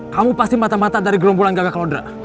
kamu pasti mata mata dari gerombolan gagak klo dra